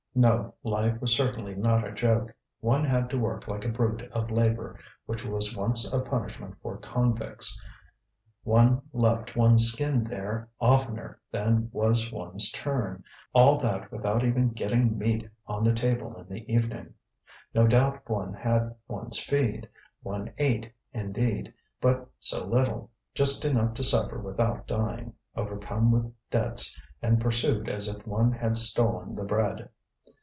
No, life was certainly not a joke. One had to work like a brute at labour which was once a punishment for convicts; one left one's skin there oftener than was one's turn, all that without even getting meat on the table in the evening. No doubt one had one's feed; one ate, indeed, but so little, just enough to suffer without dying, overcome with debts and pursued as if one had stolen the bread.